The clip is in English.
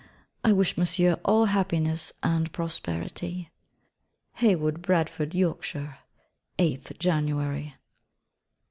I wish Monsieur all happiness and prosperity. Haworth, Bradford, Yorkshire, 8_th January_.